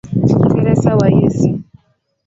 Teresa wa Yesu".